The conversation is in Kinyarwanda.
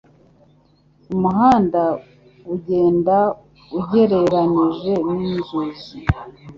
Umuhanda ugenda ugereranije ninzuzi